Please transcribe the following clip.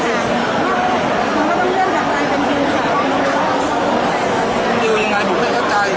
แจกอย่างไรผมไม่เข้าใจ